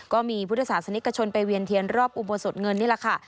ก็มีพุทธศาสนิกชนไปเวียนเทียนรอบอุโบสถเงินนี่แหละค่ะ